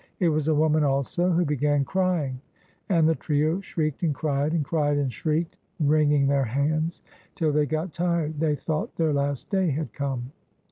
It was a woman also, who began crying, and the trio shrieked and cried, and cried and shrieked, wringing their hands, till they got tired. They thought their last day had come.